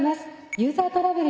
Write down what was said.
ユーザートラベル